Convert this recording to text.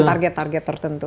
dengan target target tertentu